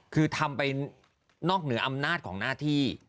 คือทำไปนอกเหนืออำนาจของหน้าที่